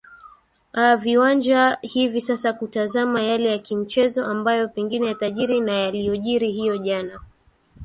aa viwanja hivi sasa kutazama yale yakimichezo ambayo pengine yatajiri na yaliyojiri hiyo jana